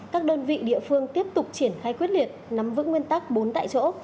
các đơn vị địa phương tiếp tục triển khai quyết liệt nắm vững nguyên tắc bốn tại chỗ